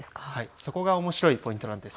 そこがおもしろいポイントなんです。